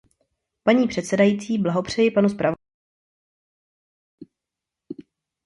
Paní předsedající, blahopřeji panu zpravodajovi.